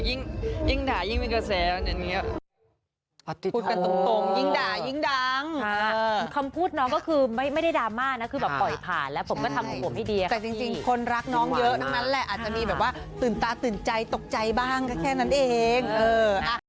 ยิ่งด่ายิ่งเป็นกระแสอย่างนี้